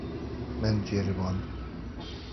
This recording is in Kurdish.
Min ceriband.